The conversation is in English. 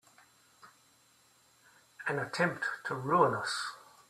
An attempt to ruin us!